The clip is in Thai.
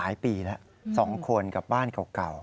ปีแล้ว๒คนกับบ้านเก่า